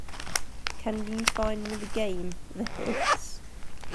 Can you find me the game, The Hits?